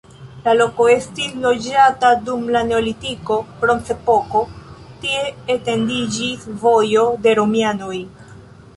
La loko estis loĝata dum la neolitiko, bronzepoko, tie etendiĝis vojo de romianoj.